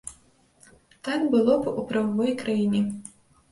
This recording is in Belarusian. Так было б у прававой краіне.